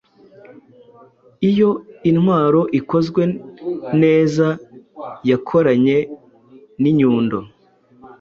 Iyo intwaro ikozwe nezayakoranye ninyundo